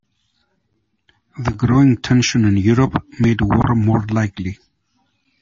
The growing tension in Europe made war more likely.